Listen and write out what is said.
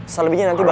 selebihnya nanti baru